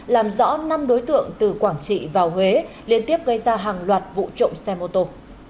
làm rõ năm đối tượng từ quảng trị vào huế liên tiếp gây ra hàng loạt vụ trộm xe mô tô